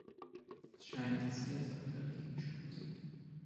Es scheint, dass Sie jetzt auf der richtigen Spur sind.